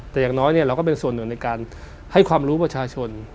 แต่อย่างน้อยเราก็เป็นส่วนหนึ่งในการให้ความรู้ประชาชน